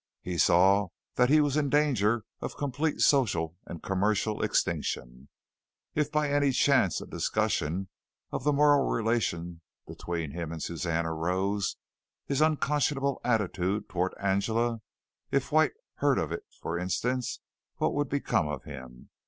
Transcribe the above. he saw that he was in danger of complete social and commercial extinction. If by any chance a discussion of the moral relation between him and Suzanne arose, his unconscionable attitude toward Angela, if White heard of it for instance, what would become of him?